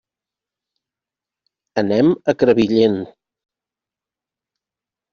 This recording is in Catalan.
Anem a Crevillent.